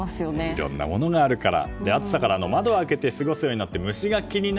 いろんなものがあるから。